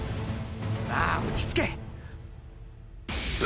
まあ落ち着け！